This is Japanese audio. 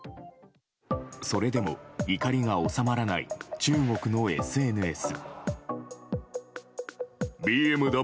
それでも怒りが収まらない中国のＳＮＳ。